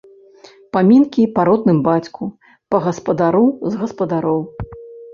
Памінкі па родным бацьку, па гаспадару з гаспадароў!